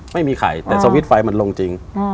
ไม่มีใครแต่สวิตช์ไฟมันลงจริง